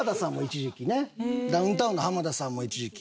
ダウンタウンの浜田さんも一時期。